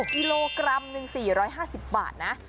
กิโลกรัม๑สี่ร้อยห้าสิบบาทนะ